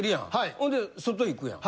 ほんで外行くやん。